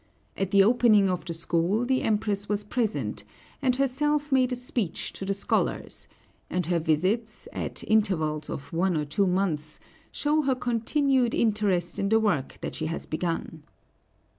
At the opening of the school the Empress was present, and herself made a speech to the scholars; and her visits, at intervals of one or two months, show her continued interest in the work that she has begun.